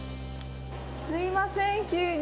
すいません、急に。